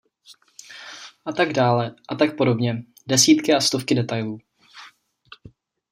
A tak dále, a tak podobně, desítky a stovky detailů...